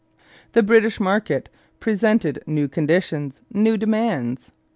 The British market presented new conditions, new demands.